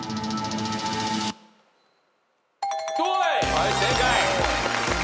はい正解。